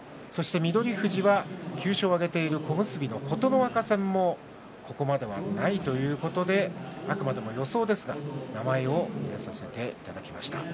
翠富士は９勝を挙げている小結の琴ノ若戦もここまではないということであくまでも予想ですが名前を入れました。